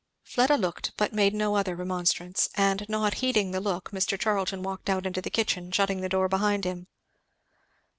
Fleda looked, but made no other remonstrance, and not heeding the look Mr. Charlton walked out into the kitchen, shutting the door behind him.